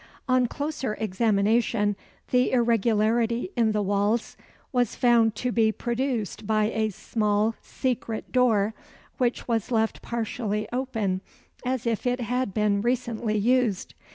On closer examination, the irregularity in the walls was found to be produced by a small secret door, which was left partially open, as if it had been recently used.